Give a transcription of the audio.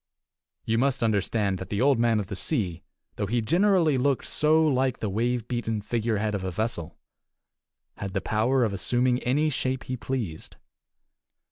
You must understand that the Old Man of the Sea, though he generally looked so like the wave beaten figurehead of a vessel, had the power of assuming any shape he pleased.